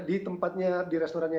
di tempatnya di restorannya